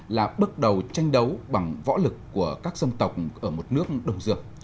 là bước đầu tranh đấu bằng võ lực của các dân tộc ở một nước đông dược